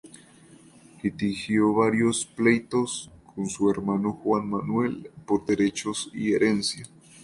Litigio varios pleitos con su hermano Juan Manuel por derechos y herencia.